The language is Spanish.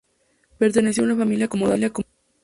Perteneció a una familia acomodada.